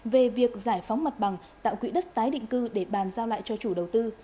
về việc giải phóng mặt bằng tạo quỹ đất tái định cư để bàn giao lại cho chủ đầu tư